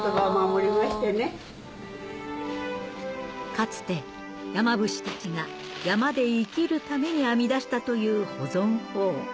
かつて山伏たちが山で生きるために編み出したという保存法